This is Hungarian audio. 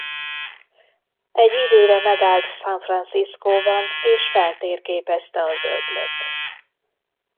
Egy időre megállt San Franciscóban és feltérképezte az öblöt.